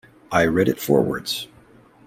I read it forwards.